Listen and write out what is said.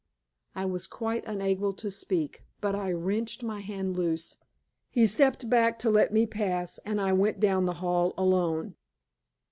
I was quite unable to speak, but I wrenched my hand loose. He stepped back to let me pass, and I went down the hall alone.